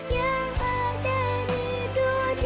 yang ada di dunia